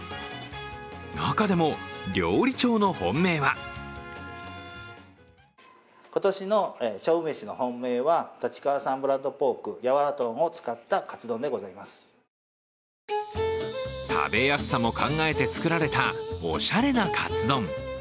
中でも料理長の本命は食べやすさも考えて作られた、おしゃれなカツ丼。